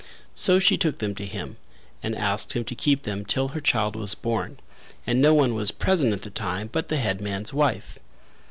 So she took them to him and asked him to keep them till her child was born; and no one was present at the time but the headman's wife.